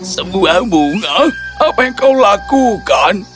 semua bunga apa yang kau lakukan